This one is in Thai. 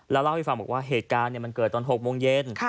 แล้วเล่าให้ฟังบอกว่าเหตุการณ์มันเกิดตอน๖โมงเย็น